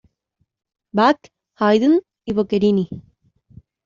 Bach, Haydn y Boccherini.